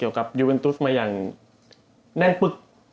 อย่างแน่นปึก